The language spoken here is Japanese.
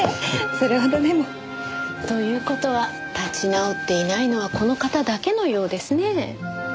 それほどでも。という事は立ち直っていないのはこの方だけのようですね。